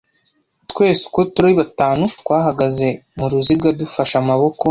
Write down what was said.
Twese uko turi batanu twahagaze mu ruziga dufashe amaboko.